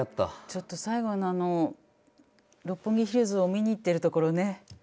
ちょっと最後のあの六本木ヒルズを見に行ってるところね。